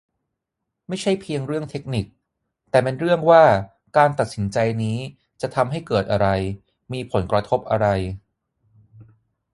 ไม่ใช่เพียงเรื่องเทคนิค แต่เป็นเรื่องว่าการตัดสินใจนี้จะทำให้เกิดอะไร มีผลกระทบอะไร